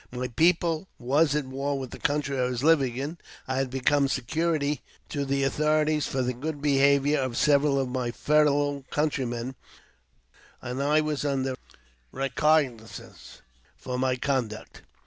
My people was at war with the country I was living in ; I had become security to the authorities for the good behaviour of several of my fellow countrymen, and I was under recognizances for my own conduct.